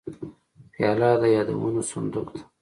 پیاله د یادونو صندوق ده.